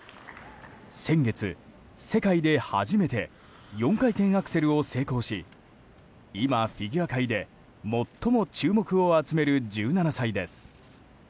先月、世界で初めて４回転アクセルを成功し今、フィギュア界で最も注目を集める１７歳です。